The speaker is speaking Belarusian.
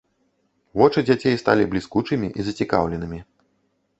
Вочы дзяцей сталі бліскучымі і зацікаўленымі.